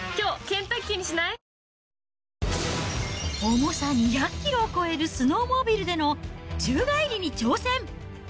重さ２００キロを超えるスノーモービルでの宙返りに挑戦。